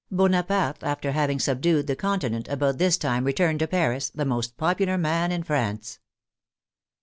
Bonaparte, after having subdued the Con tinent, about this time returned to Paris, the most popular jnan in France.